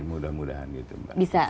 mudah mudahan gitu mbak